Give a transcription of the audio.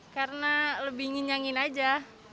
karena lebih nyenyangin aja